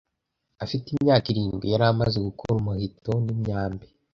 Afite imyaka irindwi, yari amaze gukora umuheto n'imyambi.